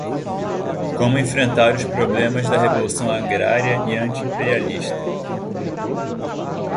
Como Enfrentar os Problemas da Revolução Agrária e Anti-Imperialista